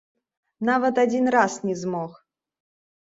Нават адзін раз не змог!